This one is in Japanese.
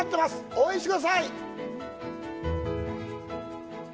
応援してください。